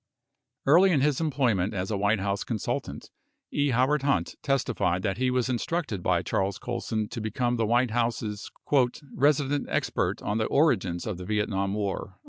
Early in his employment as a White House consultant, E. Howard Hunt testified that he was instructed by Charles Colson to become the White House's "resident expert on the origins of the Vietnam war."